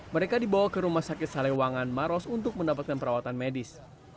mereka dibawa ke rumah sakit salewangan maros untuk mendapatkan perawatan medis